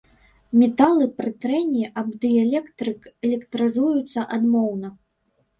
Металы пры трэнні аб дыэлектрык электрызуюцца адмоўна.